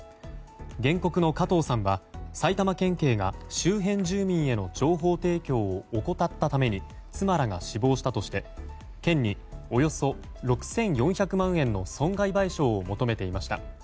原告の加藤さんは埼玉県警が周辺住民への情報提供を怠ったために妻らが死亡したとして県におよそ６４００万円の損害賠償を求めていました。